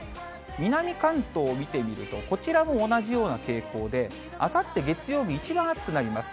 南関東を見てみると、こちらも同じような傾向で、あさって月曜日、一番暑くなります。